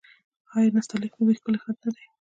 آیا نستعلیق د دوی ښکلی خط نه دی؟